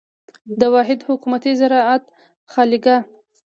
د واحد حکومتي زعامت خالیګاه.